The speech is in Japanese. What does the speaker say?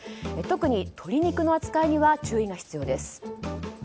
特に鶏肉の扱いには注意が必要です。